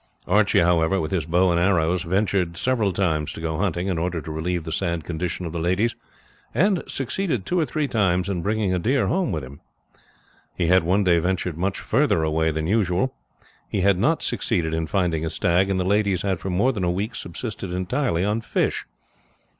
Archie, however, with his bow and arrows ventured several times to go hunting in order to relieve the sad condition of the ladies, and succeeded two or three times in bringing a deer home with him. He had one day ventured much further away than usual. He had not succeeded in finding a stag, and the ladies had for more than a week subsisted entirely on fish.